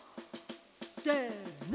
せの！